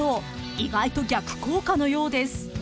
［意外と逆効果のようです］